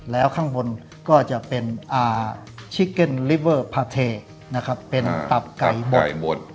แล้วข้างบนก็จะเป็นอ่านะครับเป็นตับไก่บดตับไก่บด